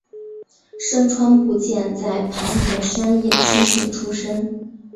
牲川步见在磐田山叶青训出身。